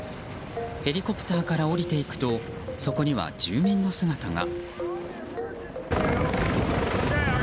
ヘリコプターから降りていくとそこには、住民の姿が。